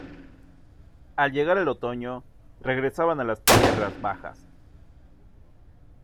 Al llegar el otoño, regresaban a las tierras bajas.